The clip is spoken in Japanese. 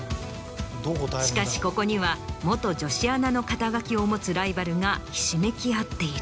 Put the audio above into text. しかしここには元女子アナの肩書を持つライバルがひしめき合っている。